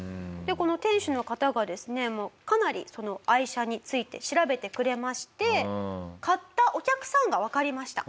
この店主の方がですねかなり愛車について調べてくれまして買ったお客さんがわかりました。